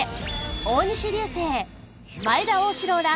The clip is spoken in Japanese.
大西流星前田旺志郎ら